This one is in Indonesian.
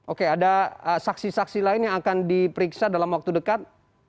oke ada saksi saksi lain yang akan diperiksa dalam waktu dekat